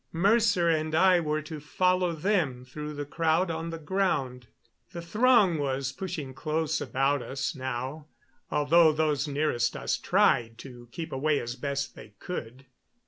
Mercer and I were to follow them through the crowd on the ground. The throng was pushing close about us now, although those nearest us tried to keep away as best they could.